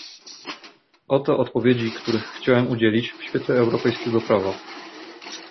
Oto odpowiedzi, których chciałem udzielić, w świetle europejskiego prawa